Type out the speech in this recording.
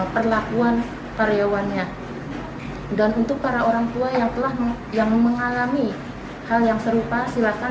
perlakuan karyawannya dan untuk para orang tua yang telah yang mengalami hal yang serupa silakan